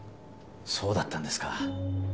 そうだったんですか。